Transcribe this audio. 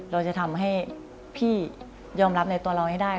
เราจะทำให้พี่ยอมรับในตัวเราให้ได้